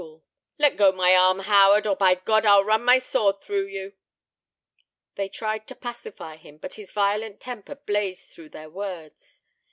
"Hold off, fools! Let go my arm, Howard, or by God, I'll run my sword through you!" They tried to pacify him, but his violent temper blazed through their words.